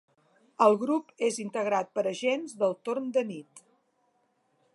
El grup és integrat per agents del torn de nit.